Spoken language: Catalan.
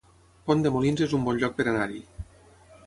Pont de Molins es un bon lloc per anar-hi